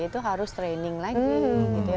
itu harus training lagi